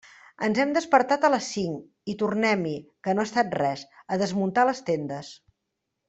Ens hem despertat a les cinc, i tornem-hi, que no ha estat res, a desmuntar les tendes.